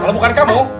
kalau bukan kamu